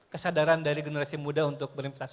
kesadaran dari generasi muda untuk berinvestasi